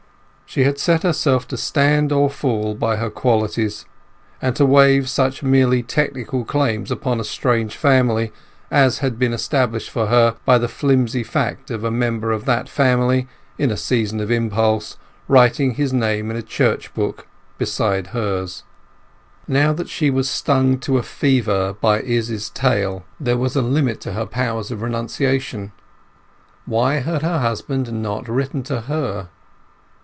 She had set herself to stand or fall by her qualities, and to waive such merely technical claims upon a strange family as had been established for her by the flimsy fact of a member of that family, in a season of impulse, writing his name in a church book beside hers. But now that she was stung to a fever by Izz's tale, there was a limit to her powers of renunciation. Why had her husband not written to her?